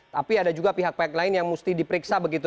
tapi ada juga pihak pihak lain yang mesti diperiksa begitu